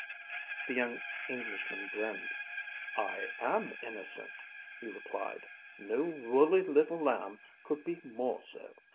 The young Englishman grinned. "I am innocent," he replied. "No woolly little lamb could be more so.